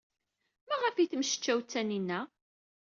Maɣef ay temmecčaw ed Taninna?